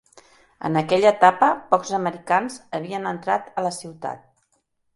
En aquella etapa, pocs americans havien entrat a la ciutat.